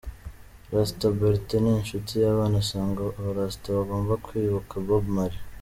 Rasta Bertin inshuti y’abana asanga Abarasta bagomba kwibuka Bob Marley.